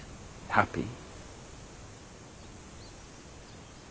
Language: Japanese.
ハッピー？